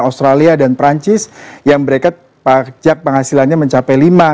australia dan perancis yang mereka pajak penghasilannya mencapai lima